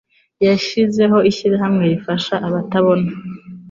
Yashizeho ishyirahamwe rifasha abatabona.